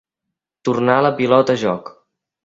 Tornar la pilota a joc.